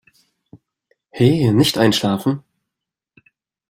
He, nicht einschlafen.